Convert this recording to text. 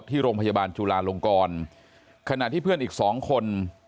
ที่โรงพยาบาลจุลาลงกรขณะที่เพื่อนอีกสองคน